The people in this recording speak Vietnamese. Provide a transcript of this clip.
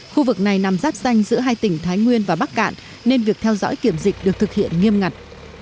khu vực này nằm giáp xanh giữa hai tỉnh thái nguyên và bắc cạn nên việc theo dõi kiểm dịch được thực hiện nghiêm ngặt